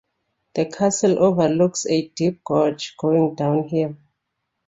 The castle overlooks a deep gorge going downhill.